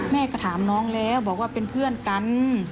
แม่ก็ถามน้องแล้วบอกว่าเป็นเพื่อนกัน